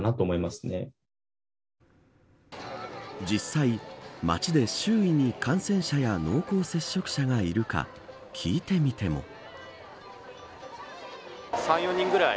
実際、街で周囲に感染者や濃厚接触者がいるか聞いてみても。